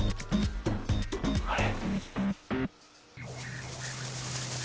あれ？